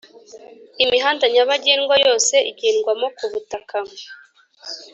imihanda nyabagendwa yose igendwamo ku butaka